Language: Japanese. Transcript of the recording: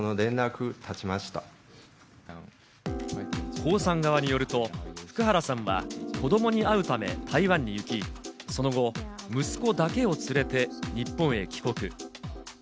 コウさん側によると、福原さんは子どもに会うため台湾に行き、その後、息子だけを連れて日本へ帰国。